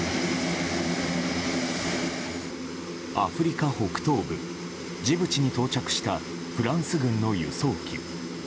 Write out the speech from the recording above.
アフリカ北東部ジブチに到着したフランス軍の輸送機。